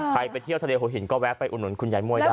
ไปเที่ยวทะเลหัวหินก็แวะไปอุดหนุนคุณยายมวยได้